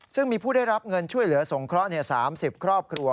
ซึ่งมีผู้ได้รับเงินช่วยเหลือสงเคราะห์๓๐ครอบครัว